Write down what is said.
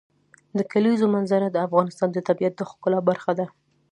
د کلیزو منظره د افغانستان د طبیعت د ښکلا برخه ده.